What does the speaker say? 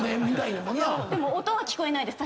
でも音は聞こえないです